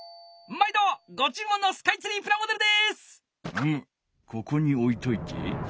うむここにおいといて。